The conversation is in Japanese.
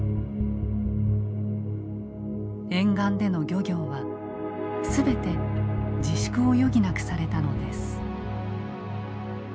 沿岸での漁業は全て自粛を余儀なくされたのです。